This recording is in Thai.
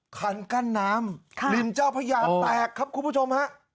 คันกั้นน้ำริมเจ้าพระยาแตกครับคุณผู้ชมฮะ